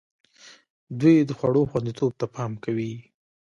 دوی د خوړو خوندیتوب ته پام کوي.